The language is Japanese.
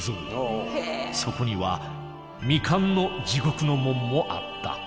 そしてこの年そこには未完の「地獄の門」もあった。